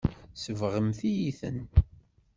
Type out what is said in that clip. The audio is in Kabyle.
Tsebɣemt-iyi-ten.